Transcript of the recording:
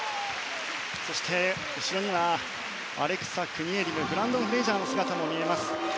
そして、後ろにはアレクサ・クニエリムブランドン・フレイジャーの姿も見えます。